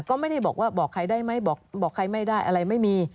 ก็ไม่ได้บอกว่าบอกใครได้ไหมบอกใครไม่ได้อะไรไม่มี